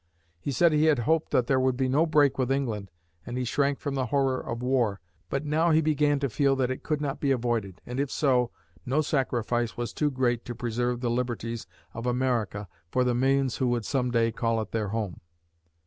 He said he had hoped there would be no break with England and he shrank from the horror of war, but now he began to feel that it could not be avoided and if so, no sacrifice was too great to preserve the liberties of America for the millions who would some day call it their home.